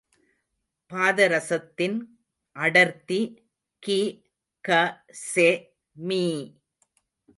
பாதரசத்தின் அடர்த்தி கி க.செ.மீ